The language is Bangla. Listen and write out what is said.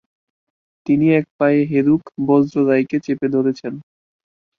তিনি এক পায়ে হেরুক-বজ্ররায়কে চেপে ধরেছেন।